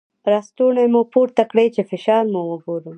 ړستونی مو پورته کړی چې فشار مو وګورم.